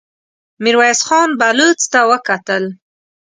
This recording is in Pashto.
ميرويس خان بلوڅ ته وکتل.